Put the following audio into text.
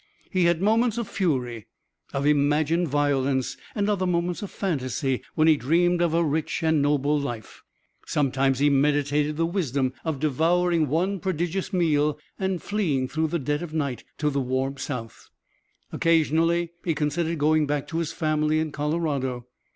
He had moments of fury, of imagined violence, and other moments of fantasy when he dreamed of a rich and noble life. Sometimes he meditated the wisdom of devouring one prodigious meal and fleeing through the dead of night to the warm south. Occasionally he considered going back to his family in Colorado.